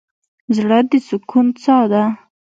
زړه د سکون څاه ده.